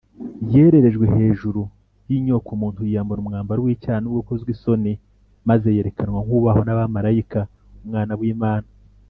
Yererejwe hejuru y’inyokomuntu, yiyambura umwambaro w’icyaha no gukozwa isoni, maze yerekanwa nk’Uwubahwa n’abamarayika, Umwana w’Imana,